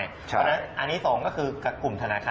เพราะฉะนั้นอันนี้๒ก็คือกับกลุ่มธนาคาร